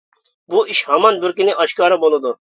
بۇ ئىش ھامان بىر كۈنى ئاشكارا بولىدۇ.